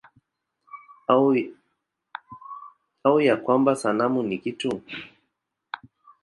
Au ya kwamba sanamu ni kitu?